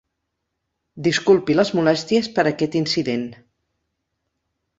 Disculpi les molèsties per aquest incident.